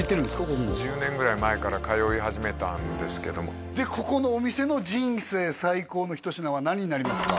ここも１０年ぐらい前から通い始めたんですけどもここのお店の人生最高の一品は何になりますか？